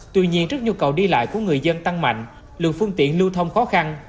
tuy nhiên trước nhu cầu đi lại của người dân tăng mạnh lượng phương tiện lưu thông khó khăn